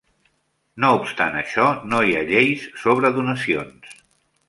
No obstant això, no hi ha lleis sobre donacions.